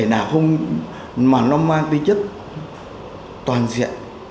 để nào không mà nó mang tính chất toàn diện